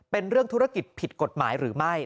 เป็นเรื่องธุรกิจผิดกฎหมายหรือไม่